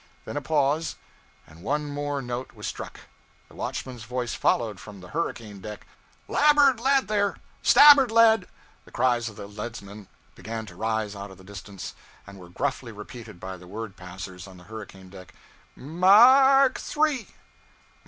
Then a pause, and one more note was struck. The watchman's voice followed, from the hurricane deck 'Labboard lead, there! Stabboard lead!' The cries of the leadsmen began to rise out of the distance, and were gruffly repeated by the word passers on the hurricane deck. 'M a r k three!...